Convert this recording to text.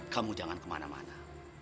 kamu jangan kemana mana